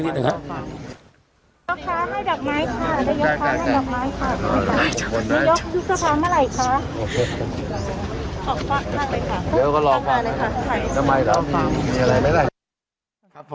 พ่อข่าวต้องถามมากะ